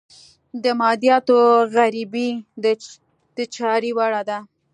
د مادیاتو غريبي د چارې وړ ده.